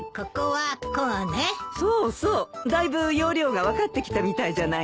だいぶ要領が分かってきたみたいじゃないか。